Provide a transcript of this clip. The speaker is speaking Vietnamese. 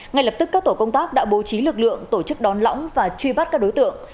ngay lập tức các tổ công tác đã bố trí lực lượng tổ chức đón lõng và truy bắt các đối tượng